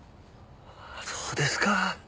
そうですか。